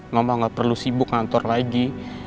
ngomong gak perlu sibuk ngantor lagi